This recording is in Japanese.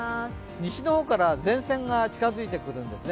西の方から前線が近づいてくるようですね。